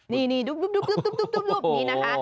นี่ดุ๊บนี้นะคะ